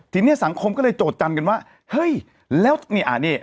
ทีนี้สังคมก็เลยโจทยันกันว่าเฮ้ยแล้วนี่อ่านี่